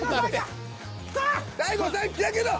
大悟さん来たけど。